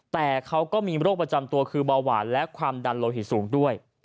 แต่เขาก็มีโรคประจำตัวคือเบาหวานและความดันโลหิตสูงด้วย